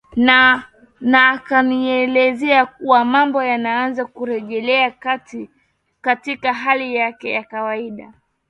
na akanieleza kuwa mambo yanaanza kurejea katika hali yake kawaida